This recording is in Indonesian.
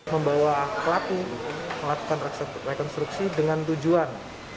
membawa pelaku melakukan rekonstruksi dengan tujuan